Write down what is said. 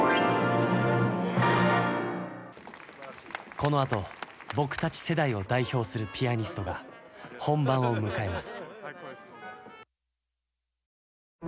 この後僕たち世代を代表するピアニストが本番を迎えます